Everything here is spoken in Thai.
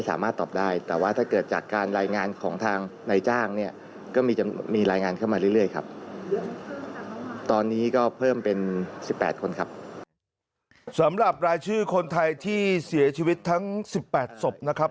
สำหรับรายชื่อคนไทยที่เสียชีวิตทั้ง๑๘ศพนะครับ